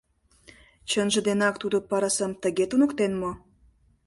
Чынже денак тудо пырысым тыге туныктен мо?